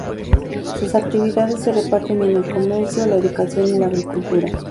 Sus actividades se reparten en el comercio, la educación y la agricultura.